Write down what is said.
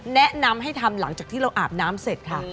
แนะนำให้ทำหลังจากที่เราอาบน้ำเสร็จค่ะ